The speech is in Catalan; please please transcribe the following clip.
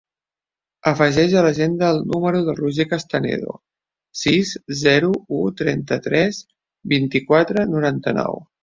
Afegeix a l'agenda el número del Roger Castanedo: sis, zero, u, trenta-tres, vint-i-quatre, noranta-nou.